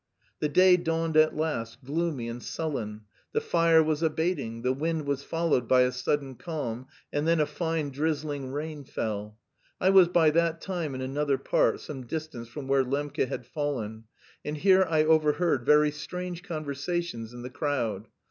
The day dawned at last, gloomy and sullen. The fire was abating; the wind was followed by a sudden calm, and then a fine drizzling rain fell. I was by that time in another part, some distance from where Lembke had fallen, and here I overheard very strange conversations in the crowd.